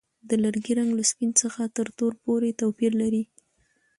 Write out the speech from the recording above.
د لرګي رنګ له سپین څخه تر تور پورې توپیر لري.